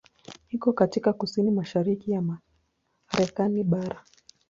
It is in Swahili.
Iko katika kusini-mashariki ya Marekani bara.